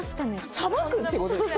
さばくってことでしょ？